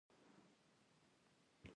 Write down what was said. د انارو د تخم چینجی څنګه ورک کړم؟